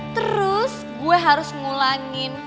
terus gue harus ngulangin